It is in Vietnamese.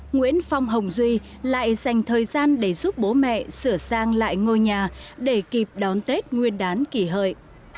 nguyễn phong hồng duy lại dành thời gian để giúp bố mẹ sửa sang lại ngôi nhà để kịp đón tết nguyên đán kỷ hợi